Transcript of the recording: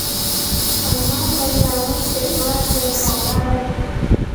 สามารถล้มแล้วไม่เจ็บมาก เดินต่อได้